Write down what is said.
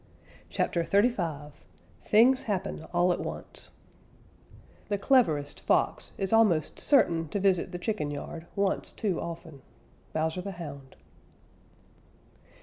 CHAPTER XXXV THINGS HAPPEN ALL AT ONCE The cleverest Fox is almost certain to visit the chicken yard once too often. _Bowser the Hound.